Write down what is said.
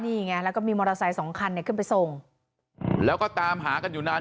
นี่ไงแล้วก็มีมอเตอร์ไซค์สองคันเนี่ยขึ้นไปส่งแล้วก็ตามหากันอยู่นาน